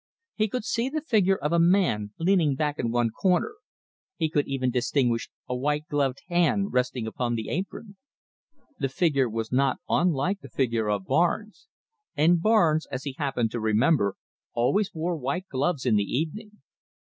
He could see the figure of a man leaning back in one corner, he could even distinguish a white gloved hand resting upon the apron. The figure was not unlike the figure of Barnes, and Barnes, as he happened to remember, always wore white gloves in the evening.